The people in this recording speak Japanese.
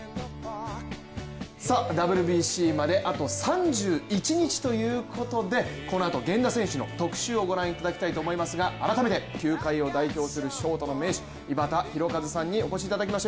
ＷＢＣまであと３１日ということでこのあと、源田選手の特集をご覧いただきますが、改めて、球界を代表するシュートの名手井端弘和さんにお越しいただきました。